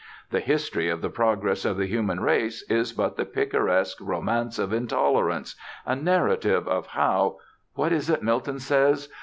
The history of the progress of the human race is but the picaresque romance of intolerance, a narrative of how what is it Milton says?